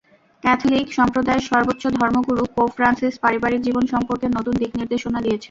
Catholic সম্প্রদায়ের সর্বোচ্চ ধর্মগুরু পোপ ফ্রান্সিস পারিবারিক জীবন সম্পর্কে নতুন দিকনির্দেশনা দিয়েছেন।